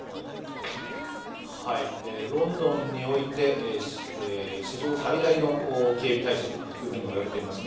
ロンドンにおいて史上最大の警備体制ともいわれています。